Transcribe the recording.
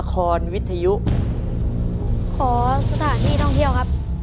ขอสถานที่ท่องเที่ยวครับ